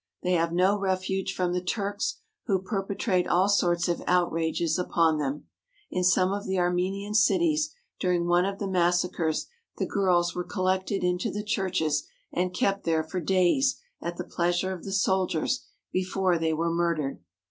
They have no refuge from the Turks, who perpetrate all sorts of outrages upon them. In some of the Armenian cities during one of the massacres the girls were collected into the churches and kept there for days at the pleasure of the soldiers before they were murdered.